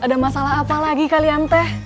ada masalah apa lagi kalian teh